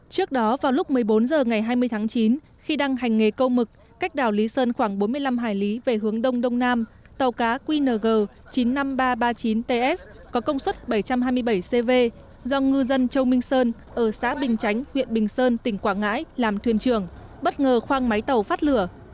trước đó vào lúc một mươi bốn h ngày hai mươi tháng chín khi đang hành nghề câu mực cách đảo lý sơn khoảng bốn mươi năm hải lý về hướng đông đông nam tàu cá qng chín mươi năm nghìn ba trăm ba mươi chín ts có công suất bảy trăm hai mươi bảy cv do ngư dân châu minh sơn ở xã bình chánh huyện bình sơn tỉnh quảng ngãi làm thuyền trưởng bất ngờ khoang máy tàu phát lửa